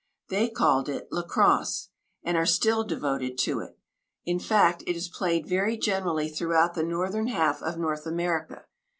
They called it "La Crosse," and are still devoted to it. In fact, it is played very generally throughout the northern half of North America.